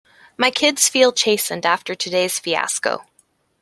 My kids feel chastened after today's fiasco.